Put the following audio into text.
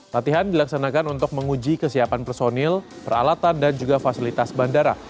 latihan dilaksanakan untuk menguji kesiapan personil peralatan dan juga fasilitas bandara